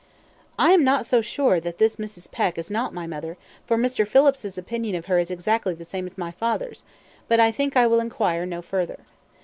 "I am not so sure that this Mrs. Peck is not my mother, for Mr. Phillips's opinion of her is exactly the same as my father's; but I think I will inquire no further.